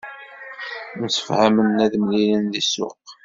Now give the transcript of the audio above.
Msefhamen ad mlilen di ssuq.